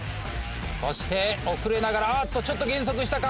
そして遅れながらあっとちょっと減速したか？